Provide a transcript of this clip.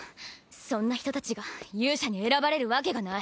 そんな人たちが勇者に選ばれるわけがない。